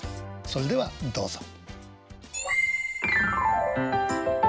それではどうぞ。